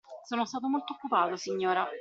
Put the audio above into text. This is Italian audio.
Sono stato molto occupato, signora.